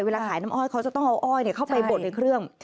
เวลาขายน้ำอ้อยเขาจะต้องเอาอ้อยเข้าไปบดในเครื่อง